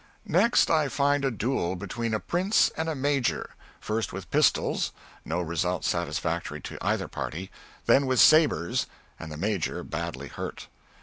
Next I find a duel between a prince and a major; first with pistols no result satisfactory to either party; then with sabres, and the major badly hurt.